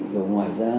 rồi ngoài ra